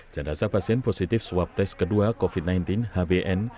jenazah pasien positif swab tes kedua covid sembilan belas hbn